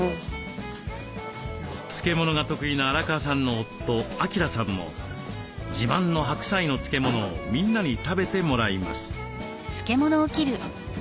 漬物が得意な荒川さんの夫・明さんも自慢の白菜の漬物をみんなに食べてもらいます。